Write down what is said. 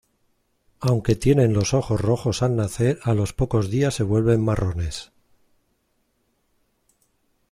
Aunque tienen los ojos rojos al nacer a los pocos días se vuelven marrones.